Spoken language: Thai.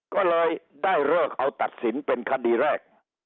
ก็เลยได้เลิกเอาตัดสินเป็นคดีแรก